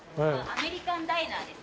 アメリカンダイナーです。